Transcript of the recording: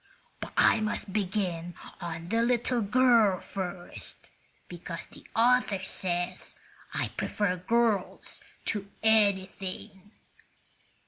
But I must begin on the little girl first, because the author says I prefer girls to anything."